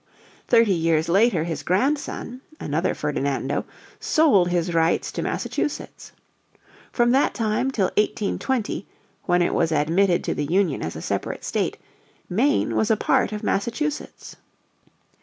Thirty years later his grandson, another Ferdinando, sold his rights to Massachusetts. From that time till 1820, when it was admitted to the Union as a separate state, Maine was a part of Massachusetts.